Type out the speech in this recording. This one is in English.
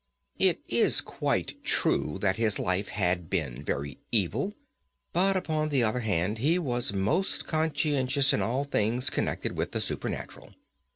It is quite true that his life had been very evil, but, upon the other hand, he was most conscientious in all things connected with the supernatural.